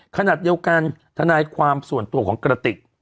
ขณะเดียวกันทนายความส่วนตัวของกระติก